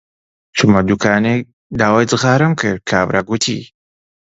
چوومە دووکانێک داوای جغارەم کرد، کابرا گوتی: